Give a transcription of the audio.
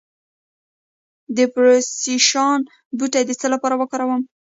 د پرسیاوشان بوټی د څه لپاره وکاروم؟